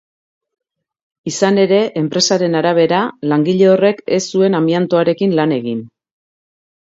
Izan ere, enpresaren arabera, langile horrek ez zuen amiantoarekin lan egin.